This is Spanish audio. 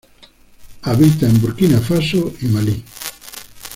Habita en Burkina Faso y Malí.